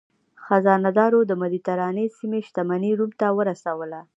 خزانه دارو د مدترانې سیمې شتمني روم ته ورسوله.